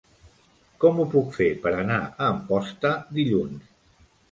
Com ho puc fer per anar a Amposta dilluns?